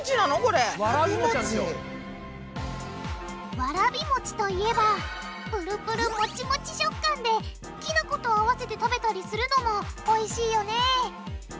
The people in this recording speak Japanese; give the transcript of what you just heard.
わらびもちといえばぷるぷるモチモチ食感できなこと合わせて食べたりするのもおいしいよね。